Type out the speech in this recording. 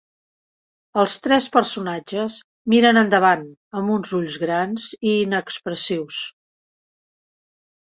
Els tres personatges miren endavant amb uns ulls grans i inexpressius.